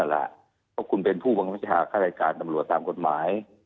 เพราะคุณเป็นผู้บังคับข้ารายการตำรวจตามกฎหมาย